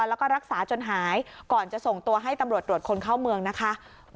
แล้วก็รักษาจนหายก่อนจะส่งตัวให้ตำรวจตรวจคนเข้าเมืองนะคะ